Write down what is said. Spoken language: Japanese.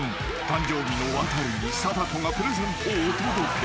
誕生日のワタリに貞子がプレゼントをお届け］